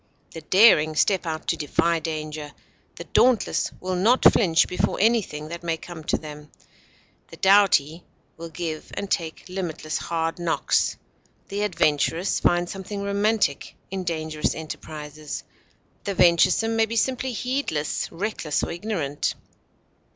The daring step out to defy danger; the dauntless will not flinch before anything that may come to them; the doughty will give and take limitless hard knocks. The adventurous find something romantic in dangerous enterprises; the venturesome may be simply heedless, reckless, or ignorant.